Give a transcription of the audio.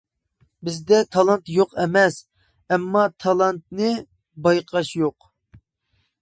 بىزدە تالانت يوق ئەمەس، ئەمما تالانتنى بايقاش يوق.